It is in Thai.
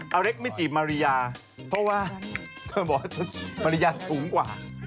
เอาเล็กกับมิจิมารียาเพราะว่าแล้วเธอบอกว่ามารียาสูงกว่า